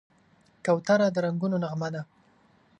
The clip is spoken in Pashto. کوتره د رنګونو نغمه ده.